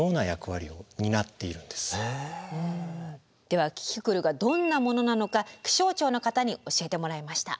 ではキキクルがどんなものなのか気象庁の方に教えてもらいました。